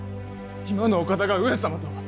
今のお方が上様とは！